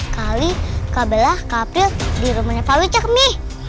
kali kak bella kak april di rumahnya pak wicak mi